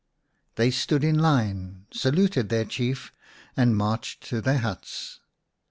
They stood in line, saluted their Chief, and marched to their huts.